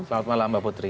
selamat malam mbak putri